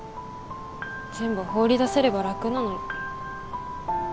全部放り出せれば楽なのに。